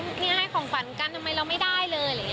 นี่ให้ของฟันกันทำไมเราไม่ได้เลย